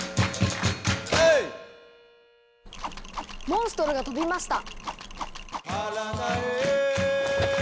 モンストロが飛びました！